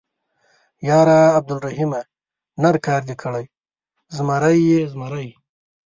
_ياره عبدالرحيمه ، نر کار دې کړی، زمری يې، زمری.